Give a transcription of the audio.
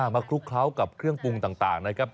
คลุกเคล้ากับเครื่องปรุงต่างนะครับ